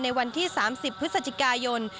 วันที่๓๐พฤศจิกายน